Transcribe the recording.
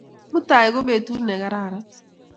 Mutai ko petut ne kararan